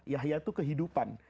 yahya itu kehidupan